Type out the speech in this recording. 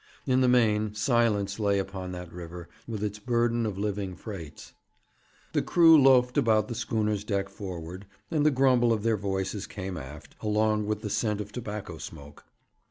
In the main, silence lay upon that river, with its burden of living freights. The crew loafed about the schooner's deck forward, and the grumble of their voices came aft, along with the scent of tobacco smoke.